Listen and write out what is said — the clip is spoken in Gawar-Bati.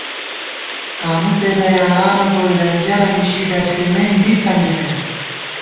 تانُو پېدہ یارانہ گوئی ، رېنجرہ نشی ڈز کېئیمېن دی څنڈِمېم